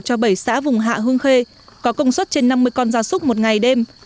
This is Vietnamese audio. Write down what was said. ở xã vùng hạ hương khê có công suất trên năm mươi con gia súc một ngày đêm